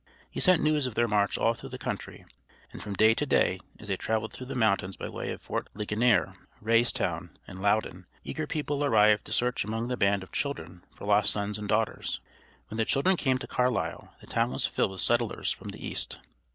He sent news of their march all through the country, and from day to day as they traveled through the mountains by way of Fort Ligonier, Raystown, and Louden, eager people arrived to search among the band of children for lost sons and daughters. When the children came to Carlisle the town was filled with settlers from the East.